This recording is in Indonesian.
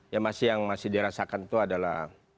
yang masih dirasakan itu adalah